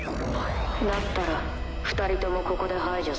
だったら二人ともここで排除する。